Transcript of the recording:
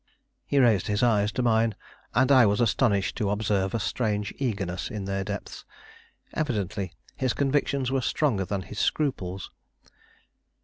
He raised his eyes to mine, and I was astonished to observe a strange eagerness in their depths; evidently his convictions were stronger than his scruples.